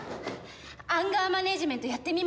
アンガーマネジメントやってみませんか？